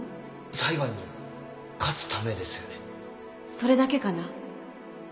それだけかな？